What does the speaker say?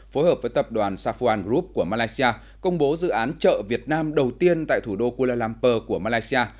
phối hợp với tập đoàn safuan group của malaysia công bố dự án chợ việt nam đầu tiên tại thủ đô kuala lumpur của malaysia